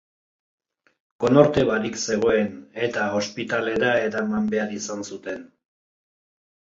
Konorte barik zegoen, eta ospitalera eraman behar izan zuten.